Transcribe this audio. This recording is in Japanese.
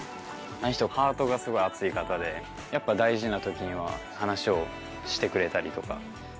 あの人ハートがすごい熱い方でやっぱ大事な時には話をしてくれたりとか。